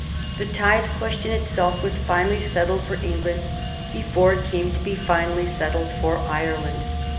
The tithe question itself was finally settled for England before it came to be finally settled for Ireland.